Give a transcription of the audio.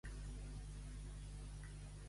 Déu faci que...